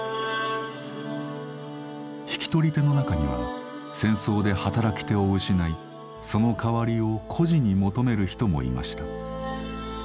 引き取り手の中には戦争で働き手を失いその代わりを孤児に求める人もいました。